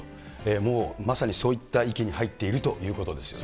もうまさにそういった域に入っているということですよね。